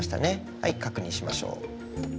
はい確認しましょう。